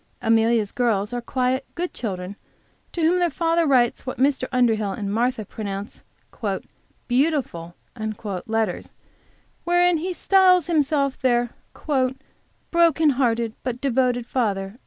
Amelia's little girls are quiet, good children, to whom their father writes what Mr. Underhill and Martha pronounce "beautiful" letters, wherein he always styles himself their "broken hearted but devoted father."